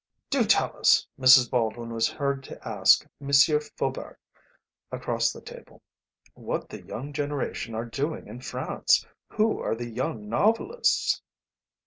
"Do tell us," Mrs. Baldwin was heard to ask M. Faubourg across the table, "what the young generation are doing in France? Who are the young novelists?"